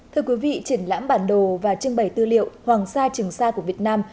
thưa quý vị triển lãm bản đồ và trưng bày tư liệu hoàng sa trường sa của việt nam